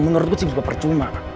menurut gue sih juga percuma